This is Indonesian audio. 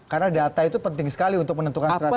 karena data itu penting sekali untuk menentukan strategi ke depan